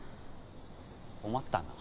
困ったな。